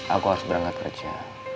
aku harus berangkat kerja